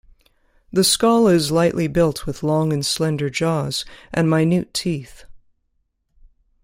The skull is lightly built with long and slender jaws and minute teeth.